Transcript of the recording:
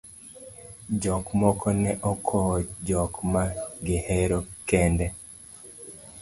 jok moko ne okowo jok ma gihero kende